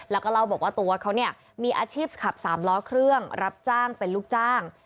แล้วก็เล่าบอกว่าตัวเขาเนี่ยมีอาชีพขับสามล้อเครื่องรับจ้างเป็นลูกจ้าง